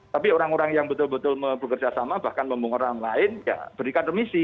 tapi orang orang yang betul betul bekerja sama bahkan membungkur orang lain ya berikan remisi